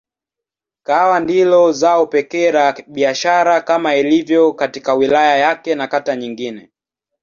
Kahawa ndilo zao pekee la biashara kama ilivyo katika wilaya yake na kata nyingine.